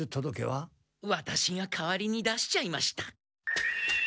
ワタシが代わりに出しちゃいました。